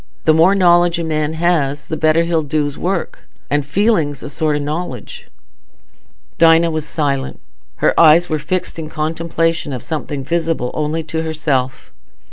The more knowledge a man has, the better he'll do's work; and feeling's a sort o' knowledge." Dinah was silent; her eyes were fixed in contemplation of something visible only to herself.